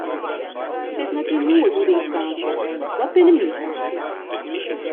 Sit net yn noed oer de ynstânsjes, dat binne myn saken.